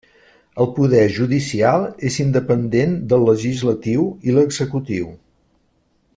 El poder judicial és independent del legislatiu i l'executiu.